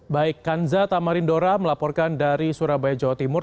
baik kanza tamarindora melaporkan dari surabaya jawa timur